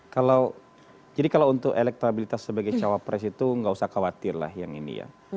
kalau jadi kalau untuk elektabilitas sebagai cawapres itu nggak usah khawatir lah yang ini ya